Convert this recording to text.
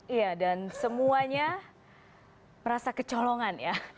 iya dan semuanya merasa kecolongan ya